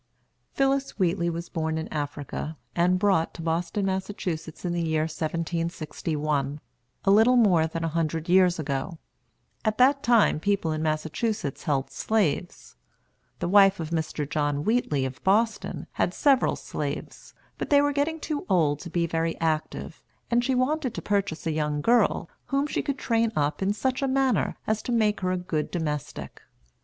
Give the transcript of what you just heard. Phillis Wheatley was born in Africa, and brought to Boston, Massachusetts, in the year 1761, a little more than a hundred years ago. At that time the people in Massachusetts held slaves. The wife of Mr. John Wheatley of Boston had several slaves; but they were getting too old to be very active, and she wanted to purchase a young girl, whom she could train up in such a manner as to make her a good domestic.